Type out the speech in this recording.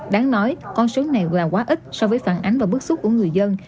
đáng nói con số này là quá ít so với phản ánh và bức xúc của người dân